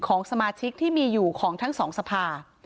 ของสมาชิกที่มีอยู่ของทั้งสองสภา